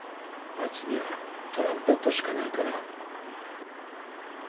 あいつにはトランペットしかないから。